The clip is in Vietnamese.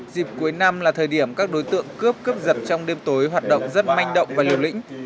dịp cuối năm là thời điểm các đối tượng cướp cướp giật trong đêm tối hoạt động rất manh động và liều lĩnh